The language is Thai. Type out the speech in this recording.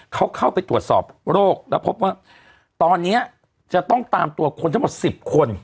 เขาเข้าไปตรวจสอบโรคแล้วพบว่าตอนนี้จะต้องตามตัวคนทั้งหมด๑๐คน